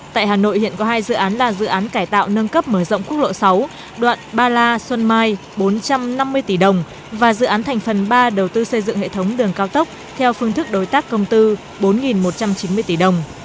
tại hà nội hiện có hai dự án là dự án cải tạo nâng cấp mở rộng quốc lộ sáu đoạn ba la xuân mai bốn trăm năm mươi tỷ đồng và dự án thành phần ba đầu tư xây dựng hệ thống đường cao tốc theo phương thức đối tác công tư bốn một trăm chín mươi tỷ đồng